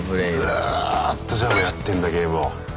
ずっとじゃあやってんだゲームを。